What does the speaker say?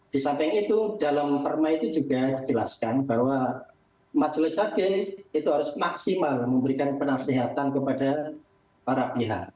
dan dalam perma itu juga dijelaskan bahwa majelis agen itu harus maksimal memberikan penasehatan kepada para pihak